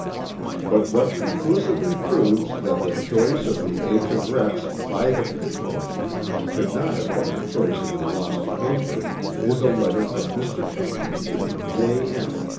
"But what conclusively proves that the choice of the H. of Reps. by the people could not have been the choice in the lost paper is a letter from Mr. Pinckney to J. M.